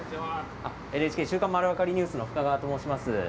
ＮＨＫ週刊まるわかりニュースの深川と申します。